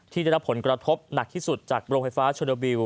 ที่ได้รับผลกระทบหนักที่สุดจากโรงไฟฟ้าชนโบล